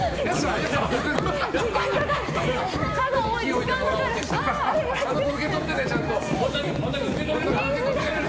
時間かかる。